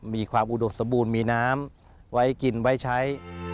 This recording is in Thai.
มีความอุดมสมบูรณ์มีน้ำไว้กินไว้ใช้